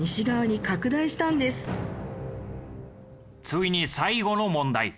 ついに最後の問題。